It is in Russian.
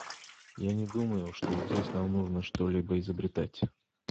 Я не думаю, что здесь нам нужно что-либо изобретать.